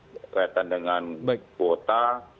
berkaitan dengan kuota